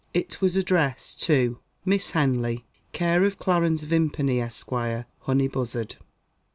It was addressed to: "Miss Henley, care of Clarence Vimpany, Esquire, Honeybuzzard."